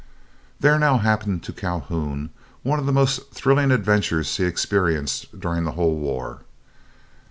There now happened to Calhoun one of the most thrilling adventures he experienced during the whole war.